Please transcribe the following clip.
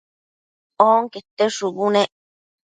onquete shubu nec